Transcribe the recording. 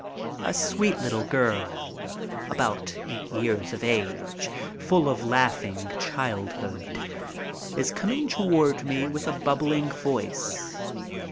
A sweet little girl about eight years of age, full of laughing childhood, is coming toward me with a bubbling voice.